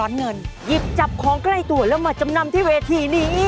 หยิบจับของใกล้ตัวแล้วมาจำนำที่เวทีนี้